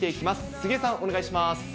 杉江さん、お願いします。